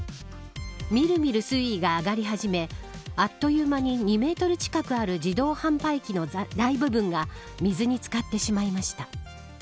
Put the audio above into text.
みるみる水位が上がり始めあっという間に２メートル近くある自動販売機の大部分が水に漬かってしまいました。